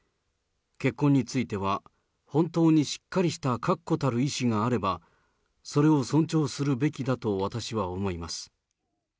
結婚については、本当にしっかりした確固たる意志があれば、それを尊重するべきだと私は思います。